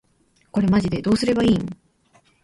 これマジでどうすれば良いん？